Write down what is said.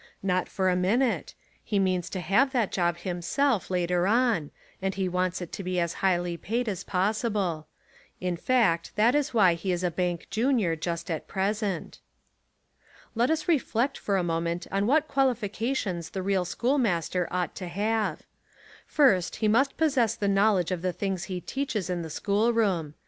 Not for a minute; he means to have that job himself later on and he wants it to be as highly paid as possible : in fact that is why he is a bank junior just at present. Let us reflect for a moment on what quali fications the real schoolmaster ought to have. First, he must possess the knowledge of the things he teaches in the school room.